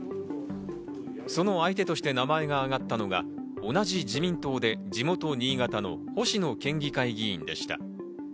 その相手として名前が挙がったのが同じ自民党で地元新潟の星野県議会議員でした。